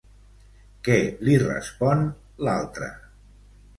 Què li respon l'altra?